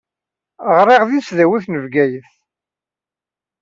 Ɣṛiɣ di tesdawit n Bgayet.